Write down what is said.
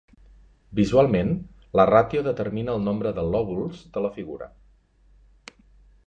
Visualment, la ràtio determina el nombre de "lòbuls" de la figura.